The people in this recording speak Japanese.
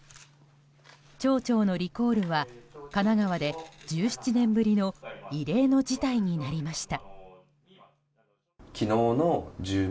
町長のリコールは神奈川で１７年ぶりの異例の事態になりました。